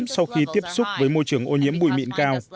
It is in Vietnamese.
sau khi tiếp xúc với môi trường ô nhiễm bụi mịn cao